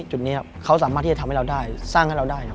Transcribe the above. จุดนี้เขาสามารถที่จะทำให้เราได้สร้างให้เราได้นะ